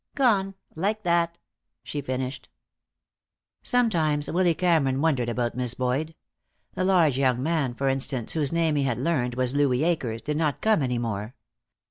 "Gone like that," she finished. Sometimes Willy Cameron wondered about Miss Boyd. The large young man, for instance, whose name he had learned was Louis Akers, did not come any more.